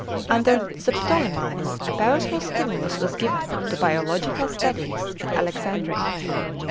_ Under the Ptolemies a powerful stimulus was given to biological studies at Alexandria.